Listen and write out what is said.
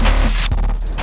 lu udah sampai